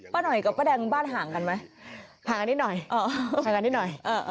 หน่อยกับป้าแดงบ้านห่างกันไหมห่างกันนิดหน่อยห่างกันนิดหน่อย